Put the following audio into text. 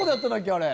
あれ。